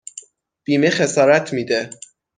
بیمه خسارت میده